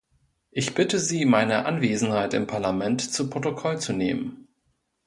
Ich bitte Sie, meine Anwesenheit im Parlament zu Protokoll zu nehmen.